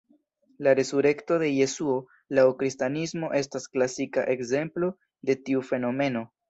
La resurekto de Jesuo laŭ Kristanismo estas klasika ekzemplo de tiu fenomeno.